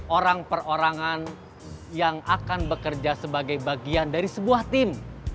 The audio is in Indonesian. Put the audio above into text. orang perorangan yang akan bekerja sebagai bagian dari sebuah tim